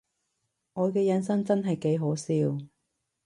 我嘅人生真係幾可笑